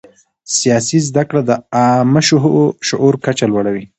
سیاسي زده کړه د عامه شعور کچه لوړوي